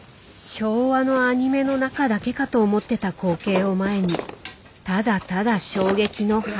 昭和のアニメの中だけかと思ってた光景を前にただただ衝撃の花。